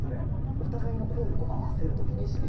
お互いの声を合わせるときに意識